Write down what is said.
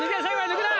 抜くな！